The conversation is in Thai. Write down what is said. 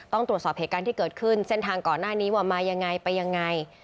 ต้องตรวจสอบเหตุการณ์ที่เกิดขึ้นเส้นทางก่อนหน้านี้ว่ามายังไงไปยังไง